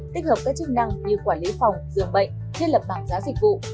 tích hợp các chức năng như quản lý phòng dường bệnh thiết lập bảng giá dịch vụ